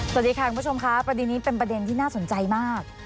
สวัสดีค่ะคุณผู้ชมค่ะประเด็นนี้เป็นประเด็นที่น่าสนใจมาก